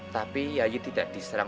tapi yayi tidak diserang